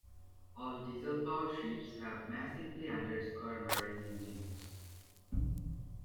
All diesel-powered ships have massively undersquare marine engines.